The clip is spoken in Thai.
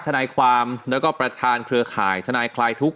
ทนายความแล้วก็ประธานเครือข่ายทนายคลายทุกข